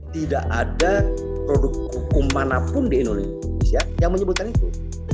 tidak ada produk hukum manapun di indonesia yang menyebutkan itu